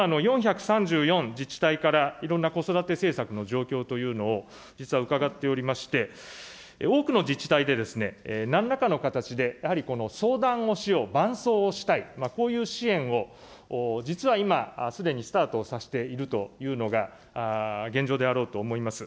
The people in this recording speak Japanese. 今、４３４自治体から、いろんな子育て政策の状況というのを、実は伺っておりまして、多くの自治体でなんらかの形で、やはりこの相談をしよう、伴奏をしたい、こういう支援を実は今、すでにスタートをさせているというのが現状であろうと思います。